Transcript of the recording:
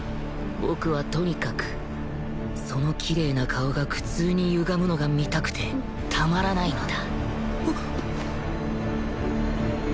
僕はとにかくそのきれいな顔が苦痛にゆがむのが見たくてたまらないのだ